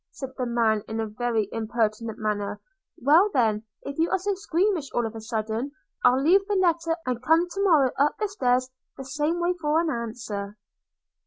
said the man, in a very impertinent manner – 'Well then, if you are so squeamish all of a sudden, I'll leave the letter, and come to morrow up the stairs the same way for an answer.'